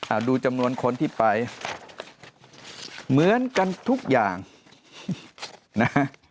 ดูจำนวนคนที่ไปเหมือนกันทุกอย่างนะฮะ